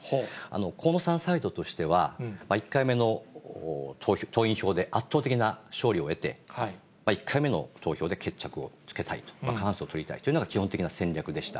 河野さんサイドとしては、１回目の党員票で、圧倒的な勝利を得て、１回目の投票で決着をつけたいと、過半数を取りたいというのが基本的な戦略でした。